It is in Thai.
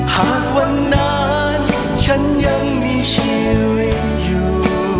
หากวันนั้นฉันยังมีชีวิตอยู่